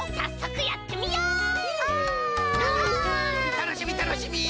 たのしみたのしみ！